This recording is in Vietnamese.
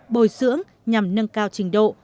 bồi sưỡng nhằm nâng cao trình độ